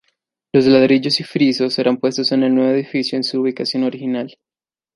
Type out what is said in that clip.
Los ladrillos y frisos serán puestos en el nuevo edificio en su ubicación original.